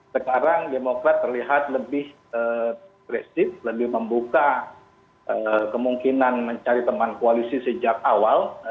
sekarang demokrat terlihat lebih agresif lebih membuka kemungkinan mencari teman koalisi sejak awal